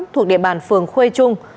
thuộc địa bàn phường khuê trung